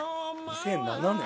２００７年。